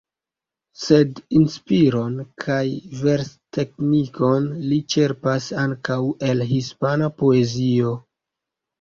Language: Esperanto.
Sed inspiron kaj versteknikon li ĉerpas ankaŭ el hispana poezio.